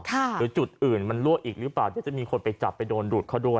หรือจุดอื่นมันรั่วอีกหรือเปล่าที่จะมีคนไปจับไปโดนดูดเขาด้วย